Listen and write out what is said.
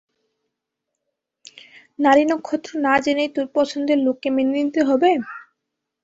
নাড়ি নক্ষত্র না জেনেই তোর পছন্দের লোককে মেনে নিতে হবে?